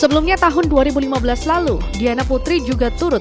sebelumnya tahun dua ribu lima belas lalu diana putri juga turut